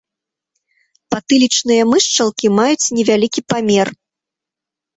Патылічныя мышчалкі маюць невялікі памер.